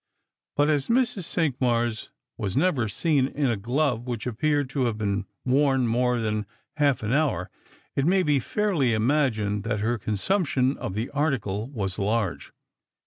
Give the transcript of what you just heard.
But as Mrs. Cinqmars was never seen in a glove ^hich appeared to have been worn more than half an hour, it may be fairly imagined that her consumption of the article was large.